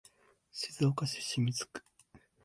静岡市清水区